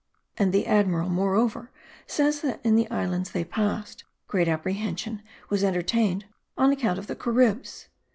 [And the Admiral moreover says that in the islands they passed, great apprehension was entertained on account of the caribs.